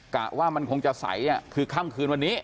กะว่ามันคงจะใสคือค่ำคืนวันนี้